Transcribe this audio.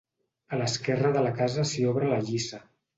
A l'esquerra de la casa s'hi obra la lliça.